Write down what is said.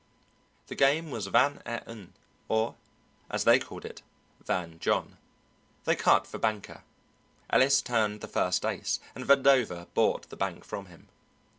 The game was vingt et un, or, as they called it, Van John. They cut for banker. Ellis turned the first ace, and Vandover bought the bank from him.